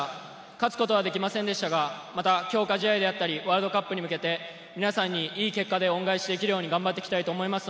勝つことはできませんでしたが、また強化試合であったり、ワールドカップに向けて皆さんにいい結果で恩返しできるように頑張っていきたいと思います。